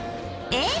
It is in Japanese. えっ？